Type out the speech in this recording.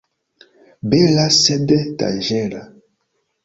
Bela, sed danĝera.